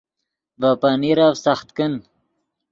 ڤے پنیرف سخت کن